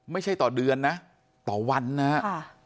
ไม่ใช่ต่อเดือนนะต่อวันนะครับ